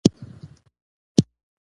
څلور